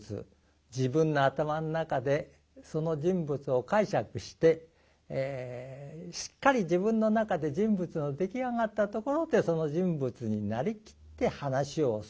自分の頭の中でその人物を解釈してしっかり自分の中で人物が出来上がったところでその人物になりきって噺を進める。